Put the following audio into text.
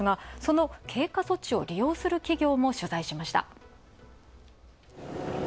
その経過措置を利用する企業を取材しました。